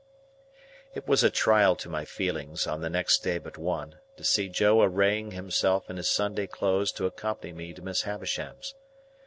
It was a trial to my feelings, on the next day but one, to see Joe arraying himself in his Sunday clothes to accompany me to Miss Havisham's.